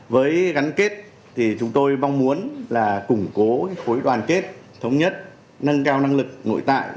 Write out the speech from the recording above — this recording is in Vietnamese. với gắn kết thì chúng tôi mong muốn là củng cố khối đoàn kết thống nhất nâng cao năng lực nội tại